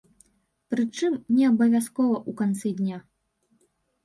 Прычым, неабавязкова ў канцы дня.